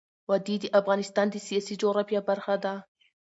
وادي د افغانستان د سیاسي جغرافیه برخه ده.